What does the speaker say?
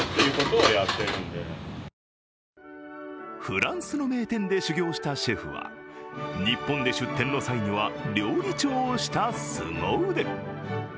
フランスの名店で修行したシェフは日本で出店の際には料理長をしたすご腕。